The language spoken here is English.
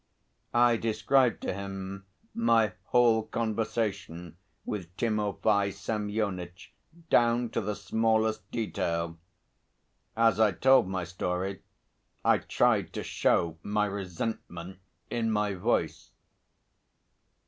I described to him my whole conversation with Timofey Semyonitch down to the smallest detail. As I told my story I tried to show my resentment in my voice.